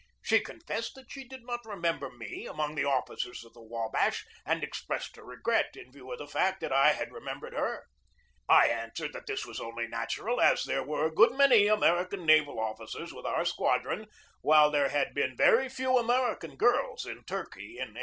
She confessed that she did not remember me among the officers of the Wabash, and expressed her regret, in view of the fact that I had remembered her. I answered that this was only THE MIDSHIPMAN CRUISE 29 natural, as there were a good many American naval officers with our squadron, while there had been very few American girls in Turkey in 1858.